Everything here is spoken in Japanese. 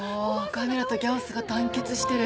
ガメラとギャオスが団結してる！